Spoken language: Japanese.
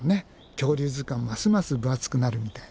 恐竜図鑑ますます分厚くなるみたいなね。